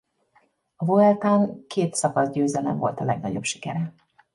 A Vueltán két szakaszgyőzelem volt a legnagyobb sikere.